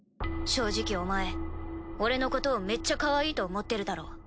正直お前俺のことをメッチャかわいいと思ってるだろ？